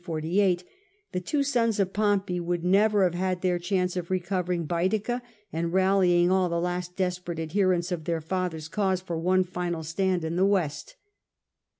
48, the two sons of Pompey would never have had their chance of recovering Baetica, and rallying all the last desperate adherents of their father's cause for one final stand in the west.